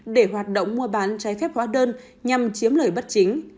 để hoạt động mua bán trái phép hóa đơn nhằm chiếm lời bất chính